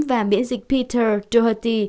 và biện dịch peter doherty